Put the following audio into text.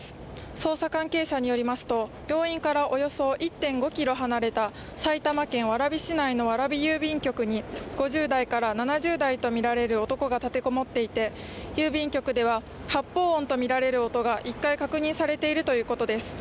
捜査関係者によりますと、病院からおよそ１．５ｋｍ離れた埼玉県蕨市内の蕨郵便局に５０代から７０代とみられる男が立て籠もっていて、郵便局では発砲音と見られる音が１回、確認されているということです。